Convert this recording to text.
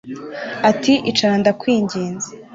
Ati Icara ndakwinginze